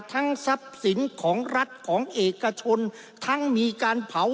ทรัพย์สินของรัฐของเอกชนทั้งมีการเผา